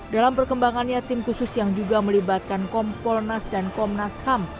dalam perkembangannya tim khusus yang juga melibatkan kompolnas dan komnas ham